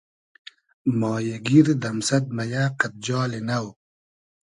مایی گیر دئمسئد مئیۂ قئد جالی نۆ